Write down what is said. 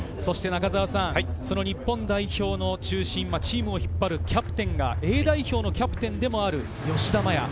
日本代表の中心、チームを引っ張るキャプテンがＡ代表のキャプテンでもある吉田麻也。